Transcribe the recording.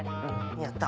やった。